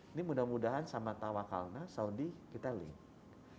ini mudah mudahan sama tawakalna saudi kita link